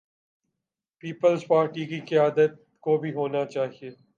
Peoples Party کی قیادت کو بھی ہونا چاہیے۔